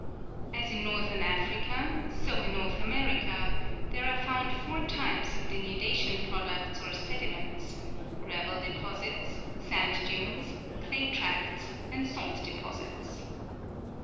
As in northern Africa, so in North America there are found four types of denudation products or sediments : gravel deposits, sand dunes, clay tracts and salt deposits.